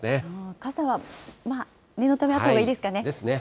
傘は念のためあったほうがいいですかね。ですね。